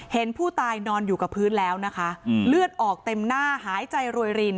เห็นผู้ตายนอนอยู่กับพื้นแล้วนะคะเลือดออกเต็มหน้าหายใจรวยริน